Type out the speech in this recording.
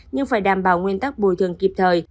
nhưng phải đảm bảo nguyên tắc bồi thường kịp thời